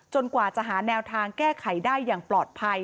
กว่าจะหาแนวทางแก้ไขได้อย่างปลอดภัย